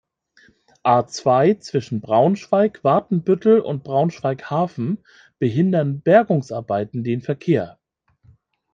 A-zwei, zwischen Braunschweig-Watenbüttel und Braunschweig-Hafen behindern Bergungsarbeiten den Verkehr.